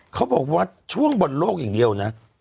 เขาบอกว่าช่วงบอลโลกอย่างเดียวนะ